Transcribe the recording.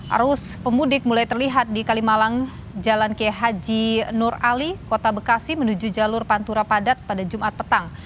arus pemudik mulai terlihat di kalimalang jalan k h nur ali kota bekasi menuju jalur pantura padat pada jumat petang